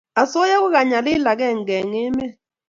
asoya ko nyalil agenge eng emet